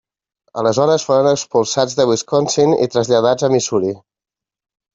Aleshores foren expulsats de Wisconsin i traslladats a Missouri.